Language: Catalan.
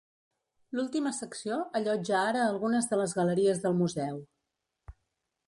L'última secció allotja ara algunes de les galeries del museu.